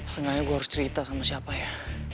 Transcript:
sebenarnya gue harus cerita sama siapa ya